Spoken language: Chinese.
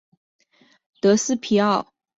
德斯皮奥受到嘉隆帝的信任。